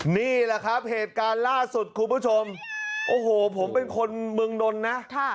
นี่แหละครับเหตุการณ์ล่าสุดคุณผู้ชมโอ้โหผมเป็นคนเมืองนนท์นะ